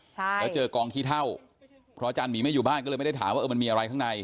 ใช่แล้วเจอกองขี้เท่าเพราะอาจารย์หมีไม่อยู่บ้านก็เลยไม่ได้ถามว่าเออมันมีอะไรข้างใน